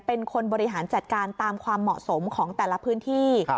เป็นคนบริหารจัดการตามความเหมาะสมของแต่ละพื้นที่